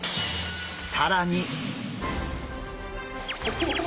更に！